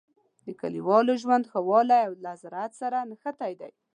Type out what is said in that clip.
د کلیوالو ژوند ښه والی له زراعت سره نښتی دی.